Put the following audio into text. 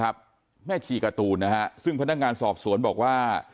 แม่ชีการ์ตูนนะฮะซึ่งพนักงานสอบสวนบอกว่า